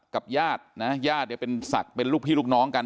ญาตินะญาติเนี่ยเป็นศักดิ์เป็นลูกพี่ลูกน้องกัน